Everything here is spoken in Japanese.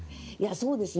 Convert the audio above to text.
そうですね。